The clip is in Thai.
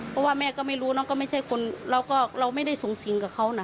เพราะว่าแม่ก็ไม่รู้เนอะก็ไม่ใช่คนเราก็เราไม่ได้สูงสิงกับเขานะ